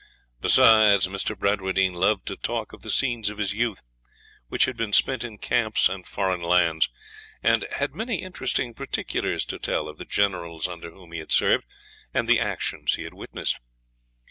Besides, Mr. Bradwardine loved to talk of the scenes of his youth, whichl had been spent in camps and foreign lands, and had many interesting particulars to tell of the generals under whom he had served and the actions he had witnessed.